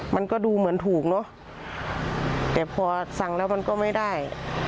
มันก็ดูเหมือนถูกเนอะแต่พอสั่งแล้วมันก็ไม่ได้